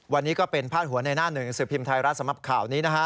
วันนี้ก็เป็นพาดหัวในหน้าหนึ่งสิบพิมพ์ไทยรัฐสำหรับข่าวนี้นะฮะ